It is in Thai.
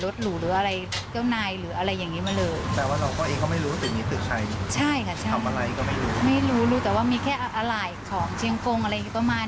ไฟมือมันนานแล้วนี่